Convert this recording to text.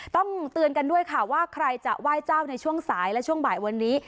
ต้องเตือนกันด้วยค่ะว่าใครจะไหว้เจ้าในช่วงสายและช่วงบ่ายวันนี้